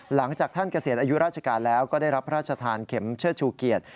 หลังจากท่านเกษียณอายุราชการแล้วก็ได้รับพระราชทานเข็มเชิดชูเกียรติ